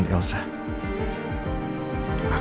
apa benar firasatku